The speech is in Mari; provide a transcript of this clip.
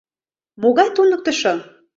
— Могай туныктышо?